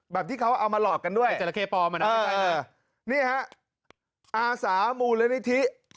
แบบที่เขาเอามาหลอกกันด้วยเออเออนี่ฮะอาสามูลนิธิ